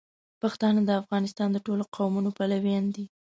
پښتانه د افغانستان د ټولو قومونو پلویان دي.